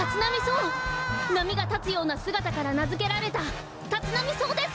なみがたつようなすがたからなづけられたタツナミソウです！